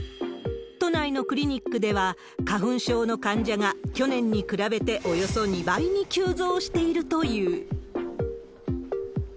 都内のクリニックでは、花粉症の患者が去年に比べておよそ２倍に急増しているという。